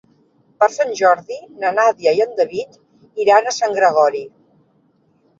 Per Sant Jordi na Nàdia i en David iran a Sant Gregori.